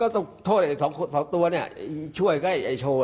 ต้องโทษไอ้สองตัวเนี่ยช่วยก็ไอ้โชว์